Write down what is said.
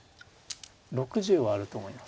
６０はあると思います。